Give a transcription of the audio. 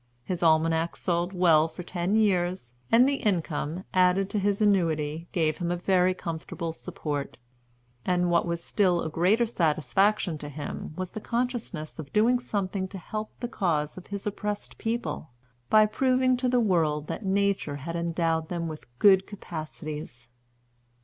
His Almanacs sold well for ten years, and the income, added to his annuity, gave him a very comfortable support; and what was a still greater satisfaction to him was the consciousness of doing something to help the cause of his oppressed people, by proving to the world that Nature had endowed them with good capacities.